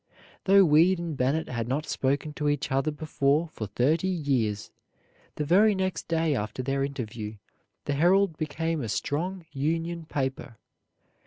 Though Weed and Bennett had not spoken to each other before for thirty years, the very next day after their interview the "Herald" became a strong Union paper.